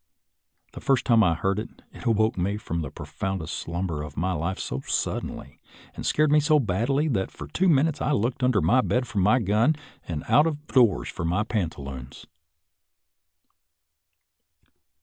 The first time I heard it, it awoke me from the pro foundest slumber of my life so suddenly, and scared me so badly, that for two minutes I looked under my bed for my gun and out of doors for my pantaloons.